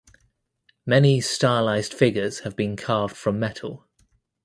Many stylized figures have been carved from metal.